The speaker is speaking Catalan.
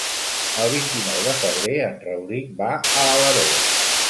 El vint-i-nou de febrer en Rauric va a Alaró.